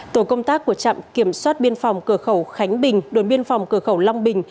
tổ công tác của trạm kiểm soát biên phòng cửa khẩu khánh bình đồn biên phòng cửa khẩu long bình